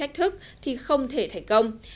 thách thức thì không thể thành công